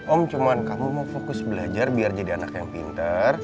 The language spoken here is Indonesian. om cuma kamu mau fokus belajar biar jadi anak yang pinter